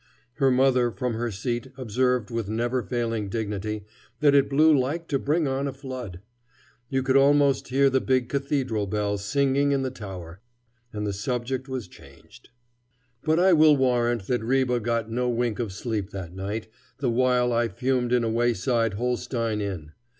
Her mother from her seat observed with never failing dignity that it blew like to bring on a flood. You could almost hear the big cathedral bell singing in the tower. And the subject was changed. But I will warrant that Ribe got no wink of sleep that night, the while I fumed in a wayside Holstein inn.